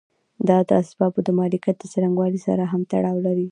دا د اسبابو د مالکیت له څرنګوالي سره هم تړاو لري.